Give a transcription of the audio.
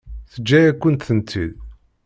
Teǧǧa-yakent-tent-id.